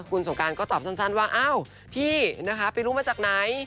คุณสงการก็ตอบสั้นว่าอ้าวพี่นะคะไปรู้มาจากไหน